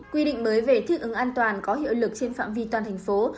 quy định mới về thích ứng an toàn có hiệu lực trên phạm vi toàn thành phố